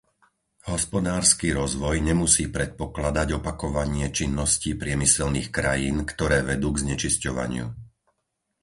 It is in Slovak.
Hospodársky rozvoj nemusí predpokladať opakovanie činností priemyselných krajín, ktoré vedú k znečisťovaniu.